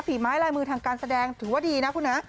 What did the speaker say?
ฝีไม้ลายมือทางการแสดงถือว่าดีนะคุณฮะ